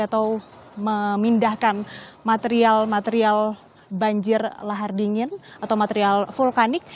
atau memindahkan material material banjir lahar dingin atau material vulkanik